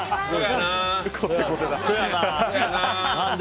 そやな。